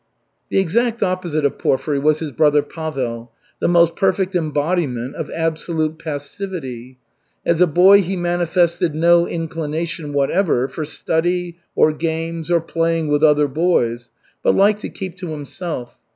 The exact opposite of Porfiry was his brother, Pavel, the most perfect embodiment of absolute passivity. As a boy he manifested no inclination whatever for study, or games, or playing with other boys, but liked to keep to himself.